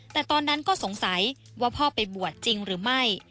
แต่ตอนนั้นก็สงสัยว่าพ่อไปบวชจริงหรือไม่